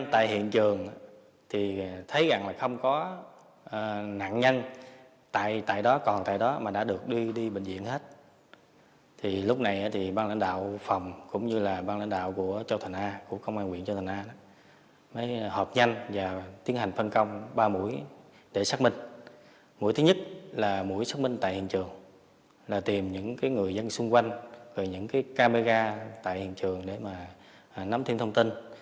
tại hiện trường là tìm những người dân xung quanh những camera tại hiện trường để nắm thêm thông tin